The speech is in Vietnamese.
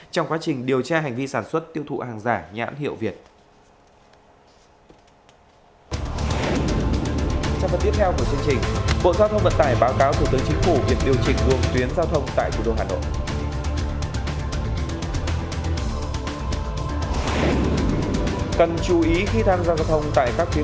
trong quá trình điều tra hành vi sản xuất tiêu thụ hàng giả nhãn hiệu việt